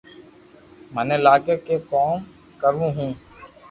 مني لاگي ڪي ڪوم ڪرو ھون